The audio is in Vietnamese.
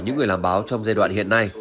những người làm báo trong giai đoạn hiện nay